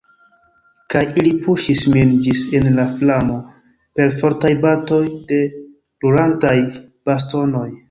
Kaj ili puŝis min ĝis en la flamo per fortaj batoj de brulantaj bastonoj.